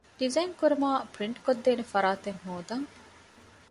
ޑިޒައިން ކުރުމާއި ޕްރިންޓް ކޮށްދޭނޭ ފަރާތެއް ހޯދަން